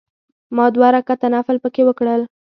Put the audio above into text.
ما دوه رکعته نفل په کې وکړل.